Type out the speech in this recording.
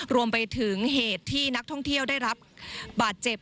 รวมไปถึงเหตุที่นักท่องเที่ยวได้รับบาดเจ็บ